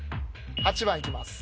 ８番いきます